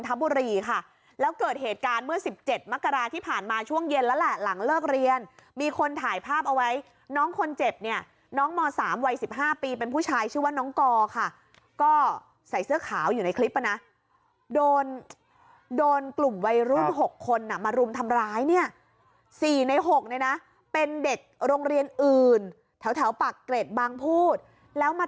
บุรีค่ะแล้วเกิดเหตุการณ์เมื่อ๑๗มกราที่ผ่านมาช่วงเย็นแล้วแหละหลังเลิกเรียนมีคนถ่ายภาพเอาไว้น้องคนเจ็บเนี่ยน้องม๓วัย๑๕ปีเป็นผู้ชายชื่อว่าน้องกอค่ะก็ใส่เสื้อขาวอยู่ในคลิปอ่ะนะโดนโดนกลุ่มวัยรุ่น๖คนมารุมทำร้ายเนี่ย๔ใน๖เนี่ยนะเป็นเด็กโรงเรียนอื่นแถวแถวปากเกร็ดบางพูดแล้วมา